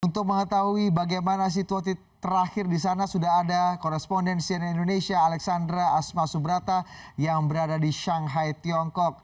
untuk mengetahui bagaimana situasi terakhir di sana sudah ada korespondensi dari indonesia alexandra asma subrata yang berada di shanghai tiongkok